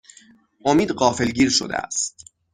امید غافگیر شده است